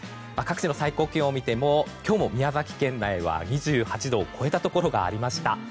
各地の最高気温を見ても今日も宮崎県内は２８度を超えるところがありました。